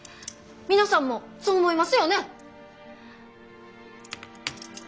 皆さんもそう思いますよね？